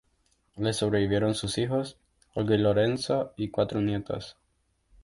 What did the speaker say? Le sobrevivieron sus hijos, Olga y Lorenzo, y cuatro nietos.